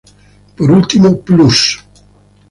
Por último, Plus!